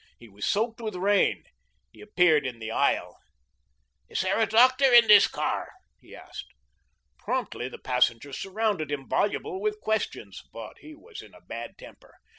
He was soaked with rain. He appeared in the aisle. "Is there a doctor in this car?" he asked. Promptly the passengers surrounded him, voluble with questions. But he was in a bad temper.